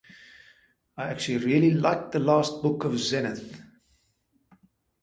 I actually really like the last book of Zenith.